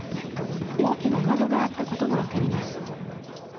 大きな窓があったことが分かります。